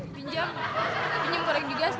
pinjam pinjam kalau ing bilaku cosmic